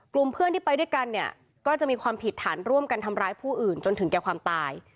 เพื่อนที่ไปด้วยกันเนี่ยก็จะมีความผิดฐานร่วมกันทำร้ายผู้อื่นจนถึงแก่ความตาย